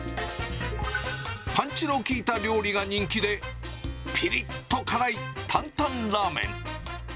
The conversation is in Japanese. パンチの効いた料理が人気で、ぴりっと辛いタンタンラーメン。